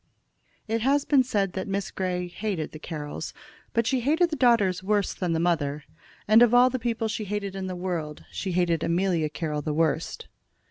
It has been said that Miss Grey hated the Carrolls; but she hated the daughters worse than the mother, and of all the people she hated in the world she hated Amelia Carroll the worst.